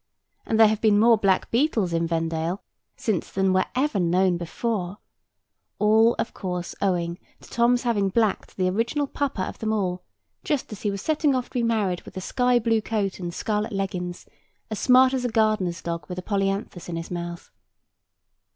And there have been more black beetles in Vendale since than ever were known before; all, of course, owing to Tom's having blacked the original papa of them all, just as he was setting off to be married, with a sky blue coat and scarlet leggins, as smart as a gardener's dog with a polyanthus in his mouth.